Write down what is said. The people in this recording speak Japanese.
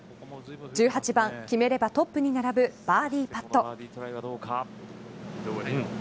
１８番、決めればトップに並ぶバーディーパット。